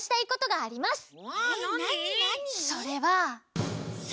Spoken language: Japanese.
それは？